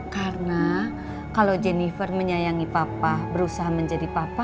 karena kalau jennifer menyayangi papa berusaha menjadi papa